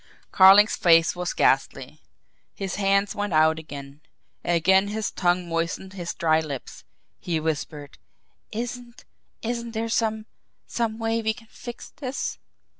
Carling's face was ghastly. His hands went out again again his tongue moistened his dry lips. He whispered: "Isn't isn't there some some way we can fix this?"